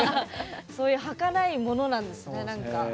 そういうはかないものなんですねなんか。